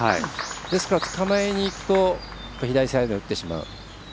ですから、捕まえにいくと左サイド、打ってしまう。